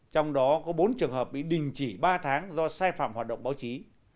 trong đó có bốn trường hợp bị đình chỉ ba tháng do sai phạm hoạt động báo chí